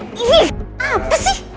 ini apa sih